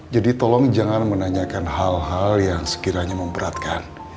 jadi tolong jangan menanyakan hal hal yang sekiranya memberatkan